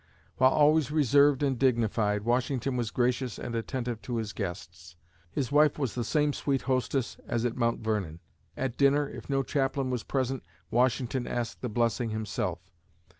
While always reserved and dignified, Washington was gracious and attentive to his guests. His wife was the same sweet hostess as at Mount Vernon. At dinner, if no chaplain was present, Washington asked the blessing himself.